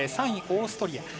３位、オーストリア。